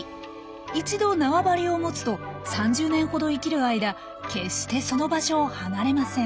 一度なわばりを持つと３０年ほど生きる間決してその場所を離れません。